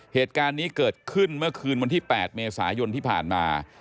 เหตุการณ์นี้เกิดขึ้นเมื่อคืนวันที่๘เมษายนที่ผ่านมา